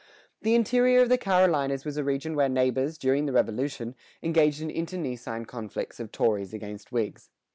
The interior of the Carolinas was a region where neighbors, during the Revolution, engaged in internecine conflicts of Tories against Whigs.